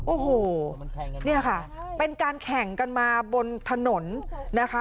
โอ้โหเนี่ยค่ะเป็นการแข่งกันมาบนถนนนะคะ